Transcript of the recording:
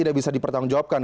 ini bisa dipertanggungjawabkan